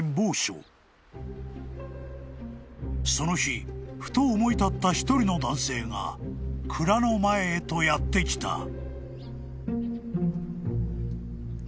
［その日ふと思い立った一人の男性が蔵の前へとやって来た］